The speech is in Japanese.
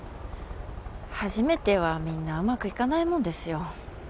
初めてはみんなうまくいかないもんですよ。